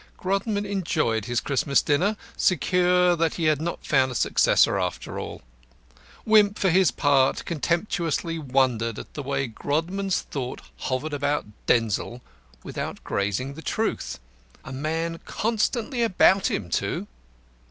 Grodman enjoyed his Christmas dinner, secure that he had not found a successor after all. Wimp, for his part, contemptuously wondered at the way Grodman's thought hovered about Denzil without grazing the truth. A man constantly about him, too!